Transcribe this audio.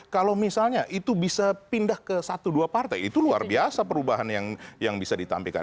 kalau misalnya itu bisa pindah ke satu dua partai itu luar biasa perubahan yang bisa ditampilkan